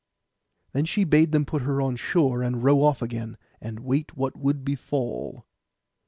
Then she bade them put her on shore, and row off again, and wait what would befall.